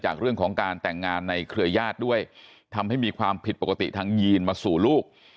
เรื่องของการแต่งงานในเครือญาติด้วยทำให้มีความผิดปกติทางยีนมาสู่ลูก